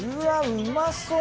うまそう！